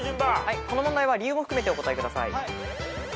この問題は理由も含めてお答えください。